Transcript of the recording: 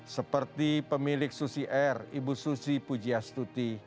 seperti pemilik susi air ibu susi dan saya